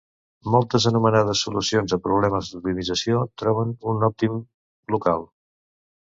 Moltes anomenades solucions a problemes d'optimització troben un òptim local.